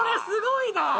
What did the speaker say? すごいぞ。